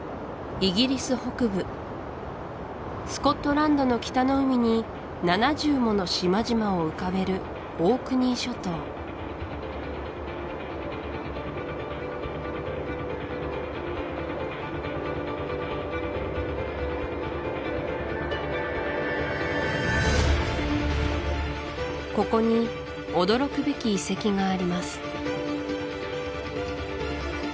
イギリス北部スコットランドの北の海に７０もの島々を浮かべるオークニー諸島ここに驚くべき遺跡があります